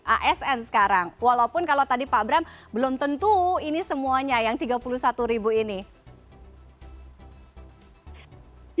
asn sekarang walaupun kalau tadi pak bram belum tentu ini semuanya yang tiga puluh satu ribu ini